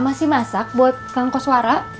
masih masak buat kang koswara